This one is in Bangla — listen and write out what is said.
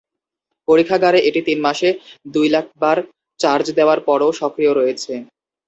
পরীক্ষাগারে এটি তিন মাসে দুই লাখ বার চার্জ দেওয়ার পরও সক্রিয় রয়েছে।